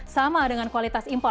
sama dengan kualitas impor